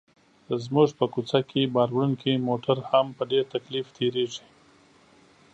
زموږ په کوڅه کې باروړونکي موټر هم په ډېر تکلیف تېرېږي.